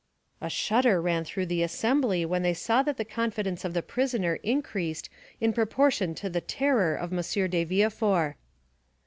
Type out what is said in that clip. A shudder ran through the assembly when they saw that the confidence of the prisoner increased in proportion to the terror of M. de Villefort.